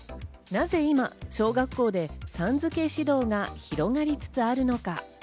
なぜ今、小学校でさん付け指導が広がりつつあるのか。